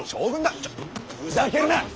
ちょっふざけるな！